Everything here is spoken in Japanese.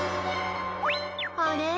あれ？